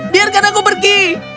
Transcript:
biarkan aku pergi